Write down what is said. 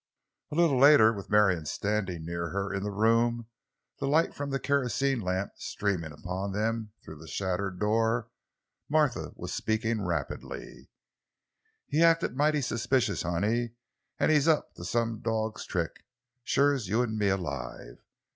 A little later, with Marion standing near her in the room, the light from the kerosene lamp streaming upon them through the shattered door, Martha was speaking rapidly: "He acted mighty suspicious, honey; an' he's up to some dog's trick, shuah as you'm alive.